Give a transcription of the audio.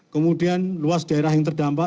kemudian luas daerah yang terdampak